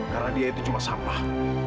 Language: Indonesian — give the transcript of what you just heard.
karena dia itu cuma sampah